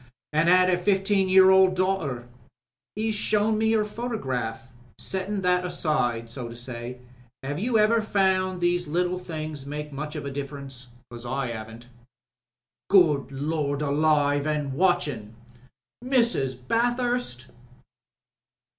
"An* 'ad a fifteen year old daughter. 'E's shown me her photograph. Settin' that aside, so to say, 'ave you ever found these little things make much difference? Because I haven't." "Good Lord Alive an' WatchinM ... Mrs. Bathurst.